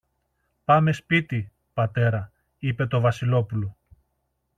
Πάμε σπίτι, πατέρα, είπε το Βασιλόπουλο